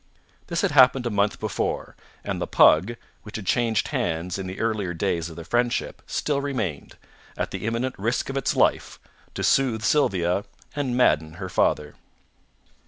This had happened a month before, and the pug, which had changed hands in the earlier days of the friendship, still remained, at the imminent risk of its life, to soothe Sylvia and madden her father.